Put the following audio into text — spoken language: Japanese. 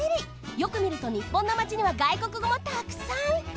よくみるとにっぽんのマチには外国語もたくさん！